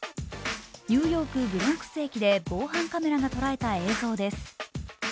ニューヨーク・ブロンクス駅で防犯カメラが捉えた映像です。